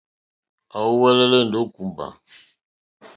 À úwɛ́lɛ́lɛ́ ndó kùmbà.